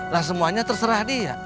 lah semuanya terserah dia